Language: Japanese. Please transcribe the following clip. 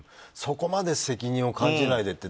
そこまで責任を感じないで。